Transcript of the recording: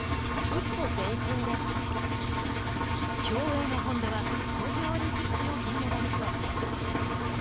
競泳の本多は東京オリンピックの銀メダリスト。